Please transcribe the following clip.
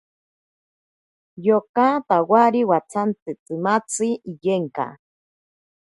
Yoka tawari watsanti tsimatzi iyenka.